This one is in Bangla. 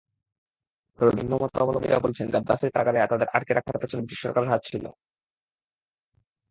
তবে ভিন্নমতাবলম্বীরা বলছেন, গাদ্দাফির কারাগারে তাঁদের আটকে রাখার পেছনে ব্রিটিশ সরকারের হাত ছিল।